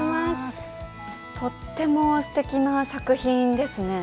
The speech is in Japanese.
とってもすてきな作品ですね。